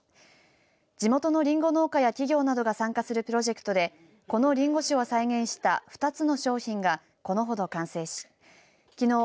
地元のりんご農家や企業などが参加するプロジェクトでこのりんご酒を再現した２つの商品がこのほど完成しきのう